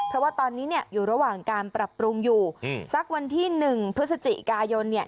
ระหว่างการปรับปรุงอยู่อืมสักวันที่หนึ่งพฤศจิกายนเนี้ย